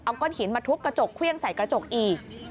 ก้อนหินมาทุบกระจกเครื่องใส่กระจกอีก